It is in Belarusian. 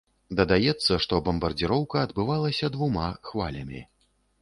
Дадаецца, што бамбардзіроўка адбывалася двума хвалямі.